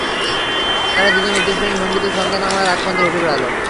তারা দু জন উদ্দেশ্যহীন ভঙ্গিতে সন্ধ্যা নামার আগ পর্যন্ত হেঁটে বেড়াল।